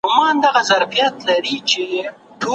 سیاستوال به ګډي ناستي جوړوي.